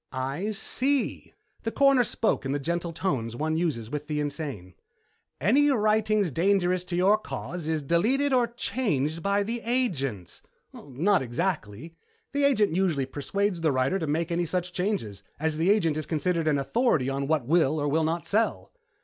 "I see." The Coroner spoke in the gentle tones one uses with the insane. "Any writing dangerous to your cause is deleted or changed by the agents." "Not exactly. The agent usually persuades the writer to make any such changes, as the agent is considered an authority on what will or will not sell."